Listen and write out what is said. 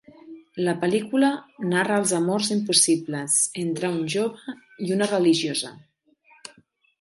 La pel·lícula narra els amors impossibles entre un jove i una religiosa.